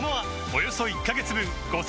およそ１カ月分